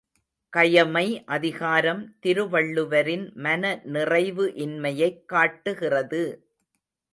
கயமை அதிகாரம் திருவள்ளுவரின் மனநிறைவு இன்மையைக் காட்டுகிறது!